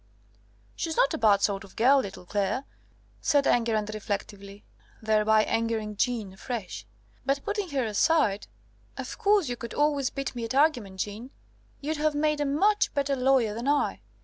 "She's not a bad sort of girl, little Claire," said Enguerrand reflectively (thereby angering Jeanne afresh): "but putting her aside, of course you could always beat me at argument, Jeanne; you'd have made a much better lawyer than I.